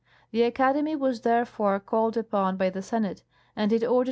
The Academy was therefore called upon by the Senate, and it ordered M.